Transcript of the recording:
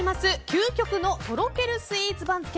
究極のとろけるスイーツ番付。